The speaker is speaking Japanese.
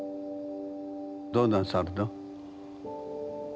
どうなさるの？